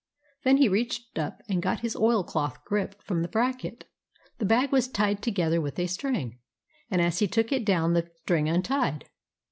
Then he reached up and got his oilcloth grip from the bracket. The bag was tied together with a string, and as he took it down the string untied.